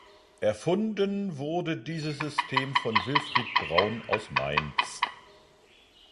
Erfunden wurde dieses System von Wilfried Braun aus Mainz.